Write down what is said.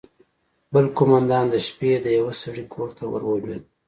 بل قومندان د شپې د يوه سړي کور ته ورولوېد.